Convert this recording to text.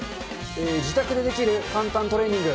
自宅でできる簡単トレーニング。